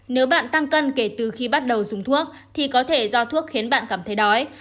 nếu bạn tăng cân kể từ khi bắt đầu dùng thuốc thì có thể do thuốc khiến bạn cảm thấy đói